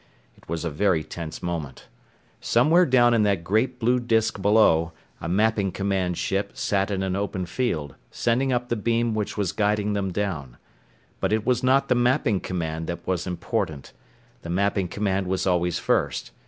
It was a very tense moment. Somewhere down in that great blue disc below a Mapping Command ship sat in an open field, sending up the beam which was guiding them down. But it was not the Mapping Command that was important. The Mapping Command was always first.